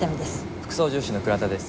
副操縦士の倉田です。